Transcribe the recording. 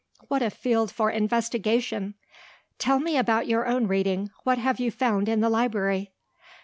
what a field for investigation! Tell me about your own reading. What have you found in the library?"